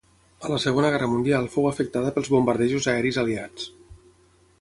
A la Segona Guerra Mundial fou afectada pels bombardejos aeris aliats.